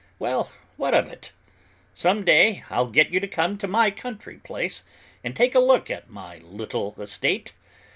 Well, what of it? Some day I'll get you to come to my country place and take a look at my little estate.